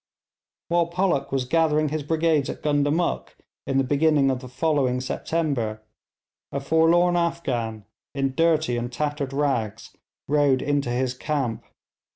While Pollock was gathering his brigades at Gundamuk in the beginning of the following September, a forlorn Afghan, in dirty and tattered rags, rode into his camp.